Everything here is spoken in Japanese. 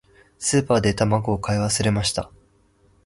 スーパーで卵を買い忘れました。